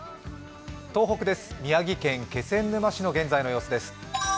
東北です、宮城県気仙沼市の現在の様子です。